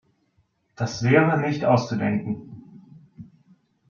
Das wäre nicht auszudenken.